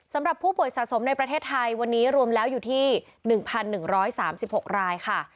สำหรับผู้ป่วยสะสมในประเทศไทยวันนี้รวมแล้วอยู่ที่๑๑๓๖รายค่ะ